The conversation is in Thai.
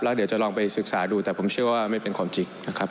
เดี๋ยวจะลองไปศึกษาดูแต่ผมเชื่อว่าไม่เป็นความจริงนะครับ